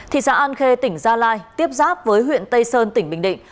thị xã an khê tỉnh gia lai tiếp giáp với huyện tây sơn tỉnh bình định